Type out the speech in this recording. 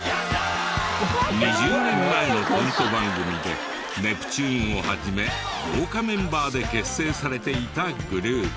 ２０年前のコント番組でネプチューンを始め豪華メンバーで結成されていたグループ。